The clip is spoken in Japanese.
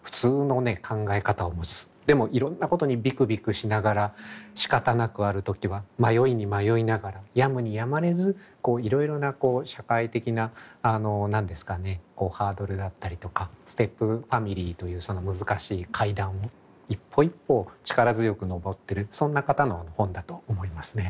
でもいろんなことにビクビクしながらしかたなくある時は迷いに迷いながらやむにやまれずいろいろな社会的なあの何ですかねハードルだったりとかステップファミリーというその難しい階段を一歩一歩力強く上ってるそんな方の本だと思いますね。